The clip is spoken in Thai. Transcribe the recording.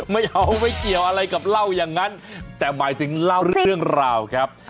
ไม่เอาไม่เกี่ยวอะไรกับเล่าอย่างนั้นแต่หมายถึงเล่าเรื่องราวครับ